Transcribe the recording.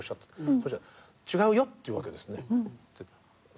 そしたら「違うよ」って言うわけですね。